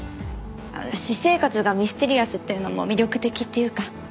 私生活がミステリアスっていうのも魅力的っていうか。